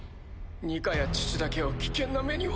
ニカやチュチュだけを危険な目には。